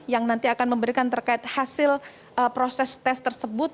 yang nanti akan memberikan terkait hasil proses tes tersebut